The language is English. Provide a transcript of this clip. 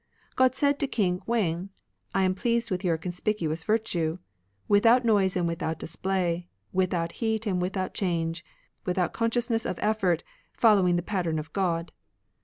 God said to King Wdn, I am pleased with your conspicuous virtue, Without noise and without display. Without heat and without change, Without consciousness of effort, Following the pattern of God.